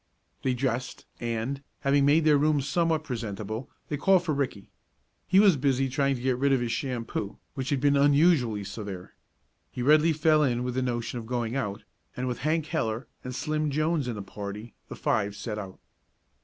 They dressed, and, having made their room somewhat presentable, they called for Ricky. He was busy trying to get rid of his shampoo, which had been unusually severe. He readily fell in with the notion of going out, and with Hank Heller and Slim Jones in the party the five set out.